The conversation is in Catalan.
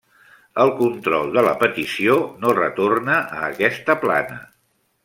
El control de la petició no retorna a aquesta plana.